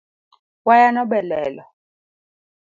Wayano be lelo